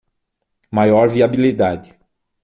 Maior viabilidade